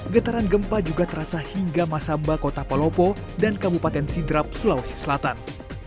getaran gempa juga terasa hingga masamba kota palopo dan kabupaten sidrap sulawesi selatan